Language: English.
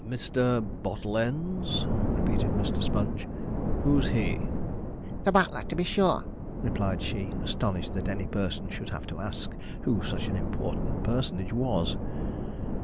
'Mr. Bottleends?' repeated Mr. Sponge; 'who's he?' 'The butler, to be sure,' replied she, astonished that any person should have to ask who such an important personage was.